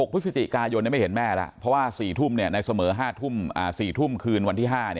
พฤศจิกายนไม่เห็นแม่แล้วเพราะว่า๔ทุ่มในเสมอ๕๔ทุ่มคืนวันที่๕